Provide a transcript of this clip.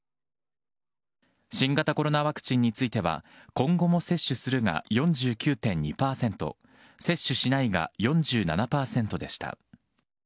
新型コロナワクチンについては、今後も接種するが４９．２％、接種しないが４７％でした。